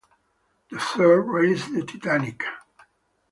The third, Raise the Titanic!